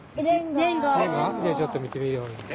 じゃあちょっと見てみようよ。